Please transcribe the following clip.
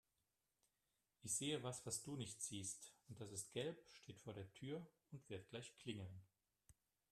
Ich sehe was, was du nicht siehst und das ist gelb, steht vor der Tür und wird gleich klingeln.